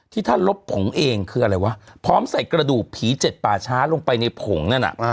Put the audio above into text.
ท่านลบผงเองคืออะไรวะพร้อมใส่กระดูกผีเจ็ดป่าช้าลงไปในผงนั่นน่ะ